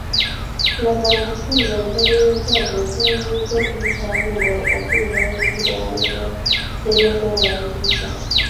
Laga mu bufunze engeri ez’enjawulo z’oyinza okuyitamu nga okungaanya ebirowoozo by’okuwandiika.